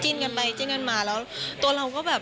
กันไปจิ้นกันมาแล้วตัวเราก็แบบ